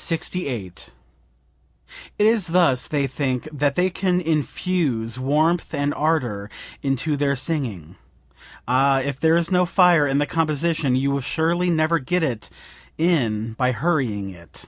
"It is thus, they think, that they can infuse warmth and ardor into their singing. Ah, if there is no fire in the composition you will surely never get it in by hurrying it."